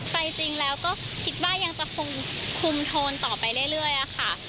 ใส่จริงแล้วก็คิดว่ายังจะคงคลุมโทนต่อไปเรื่อยเรื่อยอ่ะค่ะ